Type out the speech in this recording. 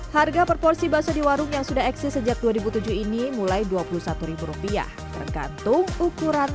harga perporsi bakso di warung yang sudah eksis sejak dua ribu tujuh ini mulai dua puluh satu rupiah tergantung ukuran